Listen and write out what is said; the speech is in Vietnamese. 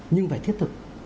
nhưng phải thiết thực